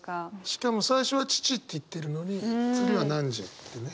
しかも最初は「父」って言ってるのに次は「汝」ってね。